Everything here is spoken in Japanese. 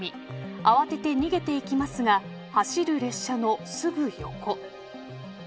慌てて逃げていきますが走る列車のすぐ横。